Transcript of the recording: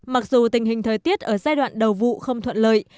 mặc dù tình hình thời tiết ở giai đoạn đầu vụ không thuận lợi